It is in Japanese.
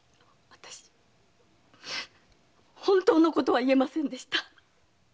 本当のことは言えませんでした。